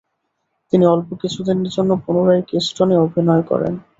তিনি অল্প কিছুদিনের জন্য পুনরায় কিস্টোনে অভিনয় করেন।